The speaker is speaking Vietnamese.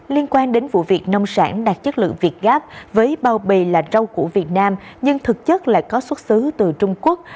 liên quan đến vụ việc nông sản đạt chất lượng việt gáp với bao bì là rau củ việt nam nhưng thực chất lại có xuất xứ từ trung quốc